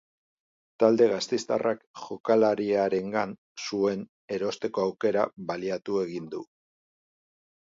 Talde gasteiztarrak jokalariarengan zuen erosteko aukera balidatu egin du.